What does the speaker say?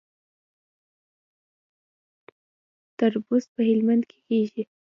تربوز په هلمند کې کیږي